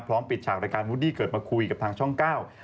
ปิดฉากรายการวูดดี้เกิดมาคุยกับทางช่องเก้า